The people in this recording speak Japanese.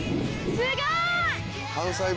すごい！